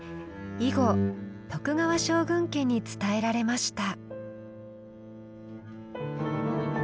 以後徳川将軍家に伝えられました。